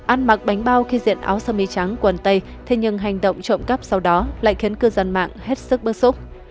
ăn mặc bánh bao khi diện áo sơ mi trắng quần tây thế nhưng hành động trộm cắp sau đó lại khiến cư dân mạng hết sức bức xúc